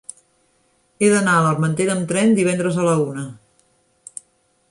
He d'anar a l'Armentera amb tren divendres a la una.